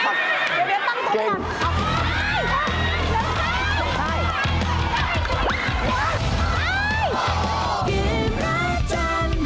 สามคำเก่งครับโอเคนะนี่ต้องออกมาก